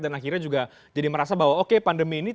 dan akhirnya juga jadi merasa bahwa oke pandemi ini